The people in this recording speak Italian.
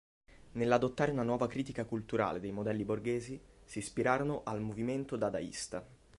Nell'adottare una nuova critica culturale dei modelli borghesi, si ispirarono al movimento dadaista.